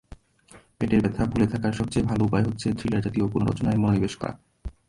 পেটের ব্যথা ভুলে থাকবার সবচেয়ে ভালো উপায় হচ্ছে থ্রিলার জাতীয় কোনো রচনায় মনোনিবেশ করা।